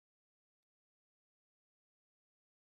The Michigan Republican Party retained control of the chamber.